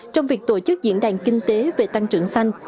trong việc tổ chức diễn đàn kinh tế về tăng trưởng xanh